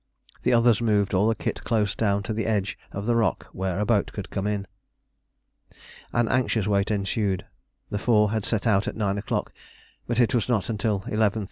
The others moved all the kit close down to the edge of the rock where a boat could come in. An anxious wait ensued. The four had set out at 9 o'clock, but it was not till 11.